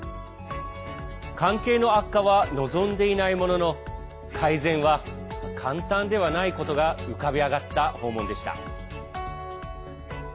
関係の悪化は望んでいないものの改善は簡単ではないことが浮かび上がった訪問でした。